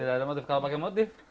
tidak ada motif kalau pakai motif